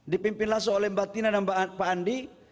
dipimpin langsung oleh mbak tina dan pak andi